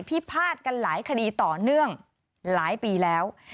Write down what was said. พิพาทกันหลายคดีต่อเนื่องหลายปีแล้ว